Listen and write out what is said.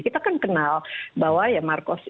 kita kan kenal bahwa ya marcos itu adalah totok yang kosong